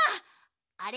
あれ？